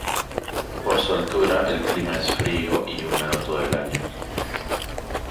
Por su altura, el clima es frío y húmedo todo el año.